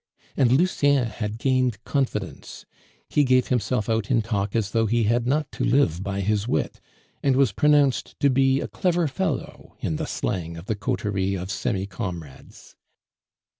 And Lucien had gained confidence; he gave himself out in talk as though he had not to live by his wit, and was pronounced to be a "clever fellow" in the slang of the coterie of semi comrades.